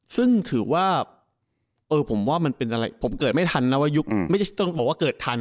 ซึ่งถือว่าเออผมเกิดไม่ทันต้องบอกว่าเกิดทัน